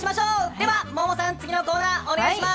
では萌々さん、次のコーナーお願いします！